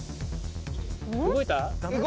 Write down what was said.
動いた？